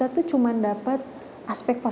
untuk hujan dan kayu